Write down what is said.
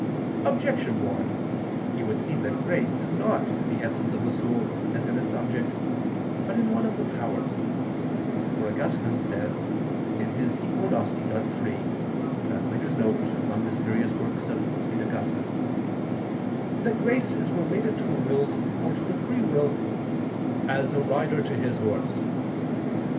Objection 1: It would seem that grace is not in the essence of the soul, as in a subject, but in one of the powers. For Augustine says (Hypognosticon iii [*Among the spurious works of St. Augustine]) that grace is related to the will or to the free will "as a rider to his horse."